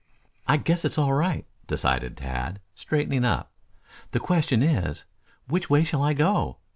"I guess it's all right," decided Tad, straightening up. "The question is, which way shall I go?